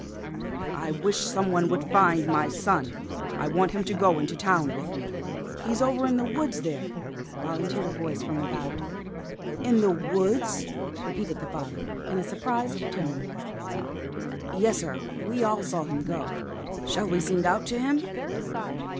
"I wish some one would find my son. I want him to go into town with me." "He's over in the woods there," volunteered a voice from without. "In the woods!" repeated the father, in a surprised tone. "Yes, sir; we all saw him go. Shall we sing out to him?"